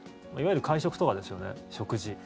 いわゆる会食とかですよね食事。